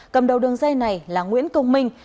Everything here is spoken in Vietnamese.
cầm đầu đường dây này là nguyễn công minh